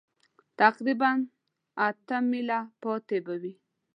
تقریباً اته مېله پاتې به وي.